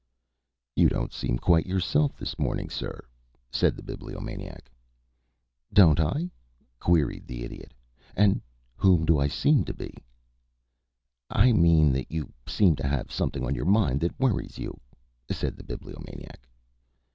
"You don't seem quite yourself this morning, sir," said the Bibliomaniac. "Don't I?" queried the Idiot. "And whom do I seem to be?" "I mean that you seem to have something on your mind that worries you," said the Bibliomaniac.